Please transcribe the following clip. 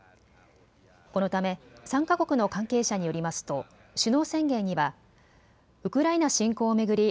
このため参加国の関係者によりますと首脳宣言にはウクライナ侵攻を巡り